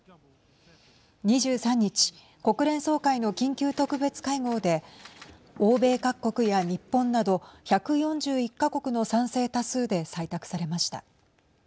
２３日国連総会の緊急特別会合で欧米各国や日本など１４１か国の賛成多数で採択されました。